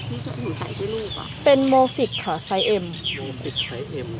ที่หนูใส่ด้วยลูกอ่ะเป็นโมฟิกค่ะไซเอ็มโมฟิกไซเอ็ม